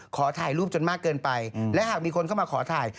ขอถ่ายรูปจนมากเกินไปและหากมีคนเข้ามาขอถ่าย